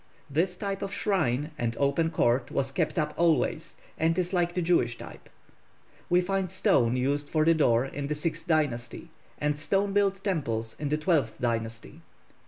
This type of shrine and open court was kept up always, and is like the Jewish type. We find stone used for the doors in the sixth dynasty, and stone built temples in the twelfth dynasty.